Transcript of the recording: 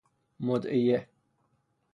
مدعیه